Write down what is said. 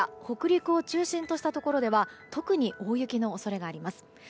北陸を中心としたところでは特に大雪の恐れがあります。